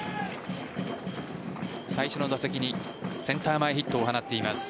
最初の打席にセンター前ヒットを放っています。